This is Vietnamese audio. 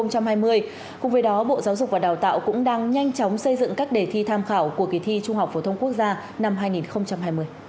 cùng với đó bộ giáo dục và đào tạo cũng đang nhanh chóng xây dựng các đề thi tham khảo của kỳ thi trung học phổ thông quốc gia năm hai nghìn hai mươi